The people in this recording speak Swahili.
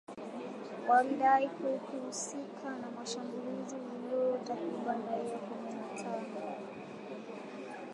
Walidai kuhusika na shambulizi lililoua takribani raia kumi na tano